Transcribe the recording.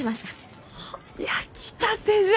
あ焼きたてじゃ！